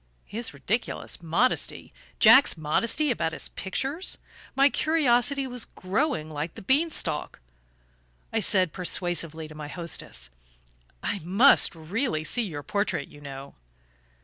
His ridiculous modesty Jack's modesty about his pictures? My curiosity was growing like the bean stalk. I said persuasively to my hostess: "I must really see your portrait, you know."